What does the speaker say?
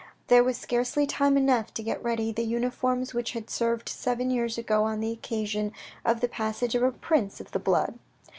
There was scarcely time enough to get ready the uniforms which had served seven years ago on the occasion of the passage of a prince of the blood.